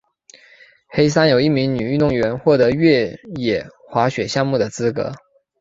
黑山有一名女运动员获得越野滑雪项目的资格。